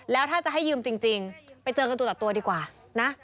แล้วถ้าจะให้ยืมจริงไปเจอกันตัวต่อตัวดีกว่านะ